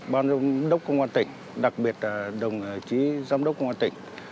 ban giám đốc công an tỉnh đặc biệt là đồng chí giám đốc công an tỉnh